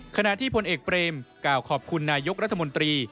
ขณะที่พลเอกเปรมกล่าวขอบคุณนายกรัฐมนตรี